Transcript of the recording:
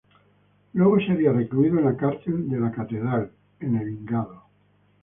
Luego sería recluido en la Cárcel de La Catedral en Envigado.